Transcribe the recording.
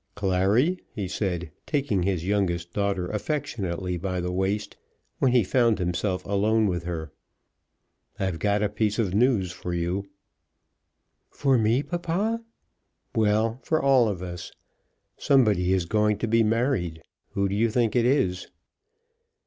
"Clary," he said, taking his youngest daughter affectionately by the waist, when he found himself alone with her. "I've got a piece of news for you." "For me, papa?" "Well, for all of us. Somebody is going to be married. Who do you think it is?"